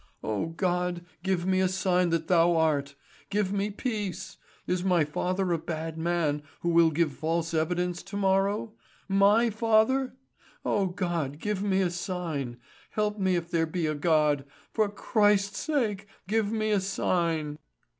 "O God, give me a sign that Thou art! Give me peace! Is my father a bad man, who will give false evidence to morrow? My father? O God, give me a sign! Help me if there be a God! For Christ's sake, give me a sign!"